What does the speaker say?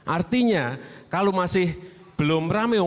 artinya kalau masih belum rame